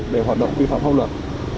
để hoạt động vi phạm công lực